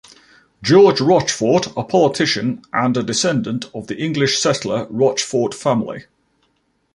George Rochfort, a politician and a descendant of the English settler Rochfort family.